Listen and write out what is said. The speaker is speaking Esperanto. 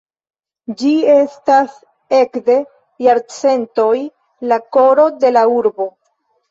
Ĝi estas ekde jarcentoj la koro de la urbo.